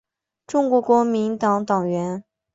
中国国民党党员。